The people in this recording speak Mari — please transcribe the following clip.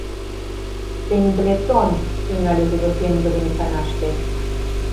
— Пендлетон! — тӱҥале тудо пеҥгыдын иканаште.